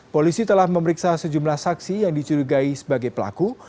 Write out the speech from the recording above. polisi telah memeriksa sejumlah saksi yang dicurigai sebagai pelaku